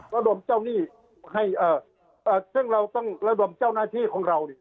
ระดมเจ้านี่ให้เอ่อเอ่อซึ่งเราต้องระดมเจ้านาธิของเรานี่